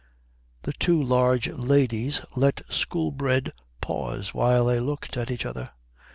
The two large ladies let Shoolbred pause while they looked at each other.